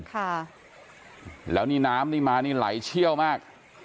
ค่ะแล้วนี่น้ำนี่มานี่ไหลเชี่ยวมาก